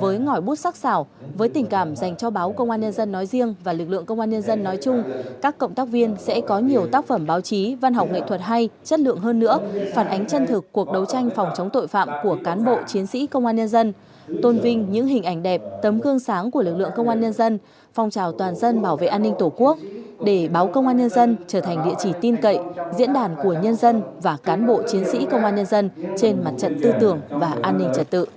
với ngõi bút sắc xảo với tình cảm dành cho báo công an nhân dân nói riêng và lực lượng công an nhân dân nói chung các cộng tác viên sẽ có nhiều tác phẩm báo chí văn học nghệ thuật hay chất lượng hơn nữa phản ánh chân thực cuộc đấu tranh phòng chống tội phạm của cán bộ chiến sĩ công an nhân dân tôn vinh những hình ảnh đẹp tấm cương sáng của lực lượng công an nhân dân phong trào toàn dân bảo vệ an ninh tổ quốc để báo công an nhân dân trở thành địa chỉ tin cậy diễn đàn của nhân dân và cán bộ chiến sĩ công an nhân dân trên mặt trận tư tưởng và an nin